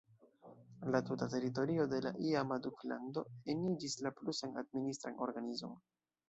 La tuta teritorio de la iama duklando eniĝis la prusan administran organizon.